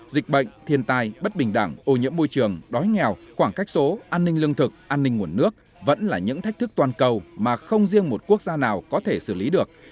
dịch bệnh thiên tai bất bình đẳng ô nhiễm môi trường đói nghèo khoảng cách số an ninh lương thực an ninh nguồn nước vẫn là những thách thức toàn cầu mà không riêng một quốc gia nào có thể xử lý được